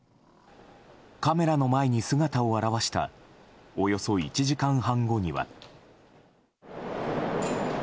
カメラの前に姿を現したおよそ１時間半後には。